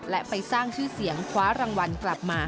และไปสร้างชื่อเสียงคว้ารางวัลกลับมา